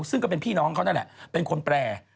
ซึ่งก็เป็นพี่น้องเขานั่นแหละเป็นคนแปล